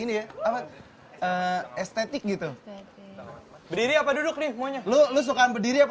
ini ya apa estetik gitu berdiri apa duduk nih maunya lu lo suka berdiri apa